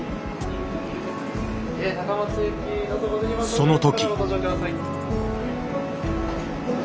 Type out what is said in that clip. その時。